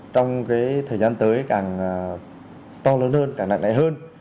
trong cái thời gian tới càng to lớn hơn càng nặng nãy hơn